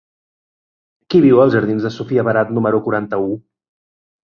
Qui viu als jardins de Sofia Barat número quaranta-u?